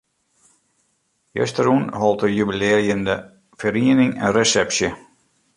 Justerjûn hold de jubilearjende feriening in resepsje.